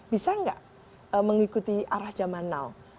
bisa enggak mengikuti arah jaman now